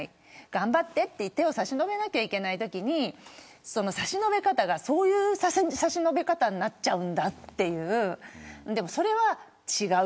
頑張ってと手を差し伸べなければいけないときにその差し伸べ方がそういう差し伸べ方になっちゃうんだという。